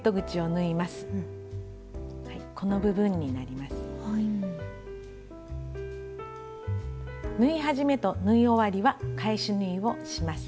縫い始めと縫い終わりは返し縫いをします。